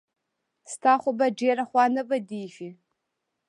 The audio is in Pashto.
ستا خو به ډېره خوا نه بدېږي.